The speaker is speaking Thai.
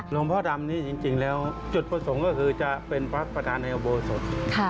พ่อดำนี่จริงแล้วจุดประสงค์ก็คือจะเป็นพระประธานในอุโบสถ